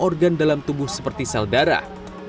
dan juga bagian dalam tubuh seperti sel darah